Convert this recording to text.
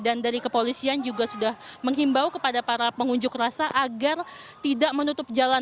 dari kepolisian juga sudah menghimbau kepada para pengunjuk rasa agar tidak menutup jalan